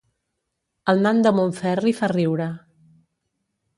El nan de Montferri fa riure